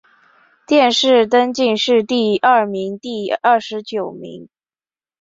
殿试登进士第二甲第二十九名。